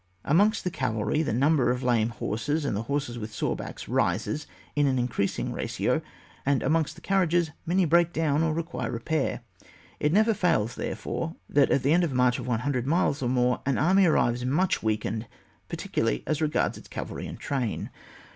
Amongst the cavalry the number of lame horses and horses with sore backs rises in an increasing ratio, and amongst the carriages many break down or require repair. It never fails, therefore, that at the end of a march of 100 miles or more, an army arrives much weakened, particularly as regards its cavalry and train.